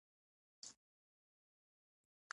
چې څو نوي قبرونه به پکې زیات شوي وو، نوې هدیره وه.